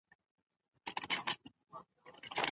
ایا لوی صادروونکي وچه الوچه پروسس کوي؟